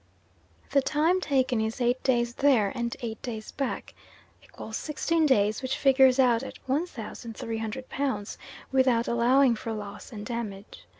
The time taken is eight days there, and eight days back, = sixteen days, which figures out at 1,300 pounds, without allowing for loss and damage.